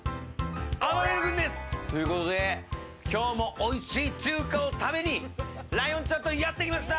あばれる君です！ということで今日もおいしい中華を食べにライオンちゃんとやってきました！